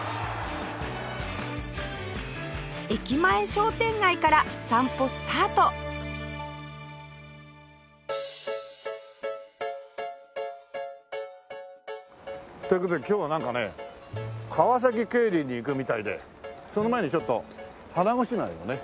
駅前商店街から散歩スタートという事で今日はなんかね川崎競輪に行くみたいでその前にちょっと腹ごしらえをね。